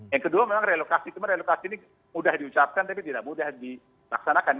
yang kedua memang relocasi cuma relocasi ini mudah diucapkan tapi tidak mudah dilaksanakan